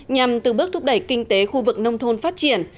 nhằm từ bước thúc đẩy kinh tế khu vực nông thôn phát triển